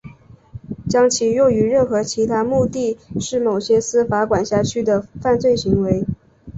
将其用于任何其他目的是某些司法管辖区的犯罪行为。